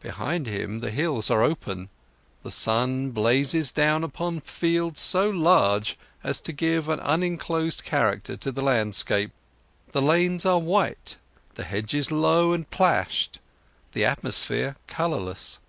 Behind him the hills are open, the sun blazes down upon fields so large as to give an unenclosed character to the landscape, the lanes are white, the hedges low and plashed, the atmosphere colourless.